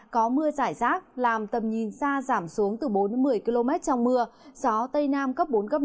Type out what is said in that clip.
có mưa giải rác làm tầm nhìn xa giảm xuống từ bốn một mươi km trong mưa gió tây nam cấp bốn năm